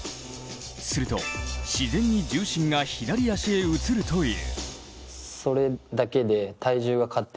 すると、自然に重心が左足へ移るという。